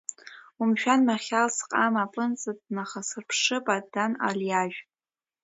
Умшәан, Махьал, сҟама аԥынҵа днахасырԥшып Адан алиажә.